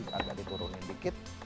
jadi agak diturunin dikit